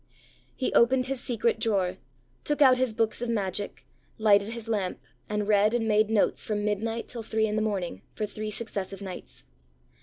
He opened his secret drawer, took out his books of magic, lighted his lamp, and read and made notes from midnight till three in the morning, for three successive nights.